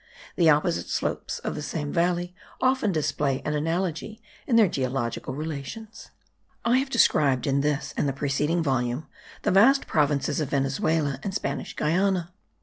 The opposite slopes of the same valley often display an analogy in their geological relations. I have described in this and the preceding volume the vast provinces of Venezuela and Spanish Guiana.